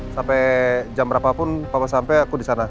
sampai jam berapa pun papa sampai aku disana